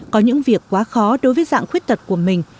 có những việc quá khó đối với dạng khuyết tật của mình